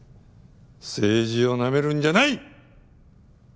政治をナメるんじゃない！